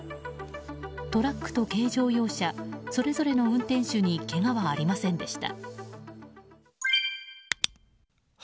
トラックと軽乗用車それぞれの運転手にけがはありませんでした。